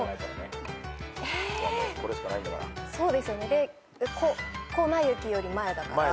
で「こな雪」より前だから。